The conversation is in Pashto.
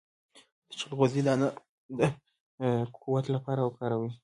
د چلغوزي دانه د قوت لپاره وکاروئ